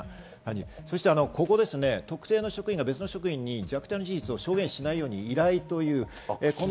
そしてここ、特定の職員が別の職員に虐待の事実を証言しないよう依頼ということ。